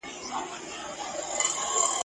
د شپې لپاره و غوښتل سوې